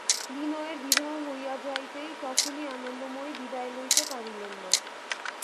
বিনয়ের বিবাহ হইয়া যাইতেই তখনই আনন্দময়ী বিদায় লইতে পারিলেন না।